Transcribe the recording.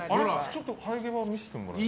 ちょっと生え際見せてもらって。